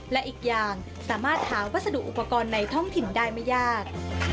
และอีกอย่างสามารถหาวัสดุอุปกรณ์ในท้องถิ่นได้ไม่ยาก